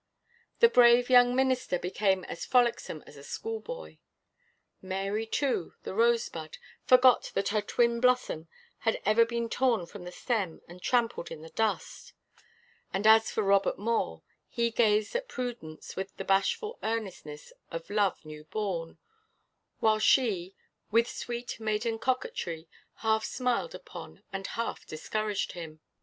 The brave young minister became as frolicsome as a schoolboy. Mary, too, the rosebud, forgot that her twin blossom had ever been torn from the stem and trampled in the dust. And as for Robert Moore, he gazed at Prudence with the bashful earnestness of love new born, while she, with sweet maiden coquetry, half smiled upon and half discouraged him.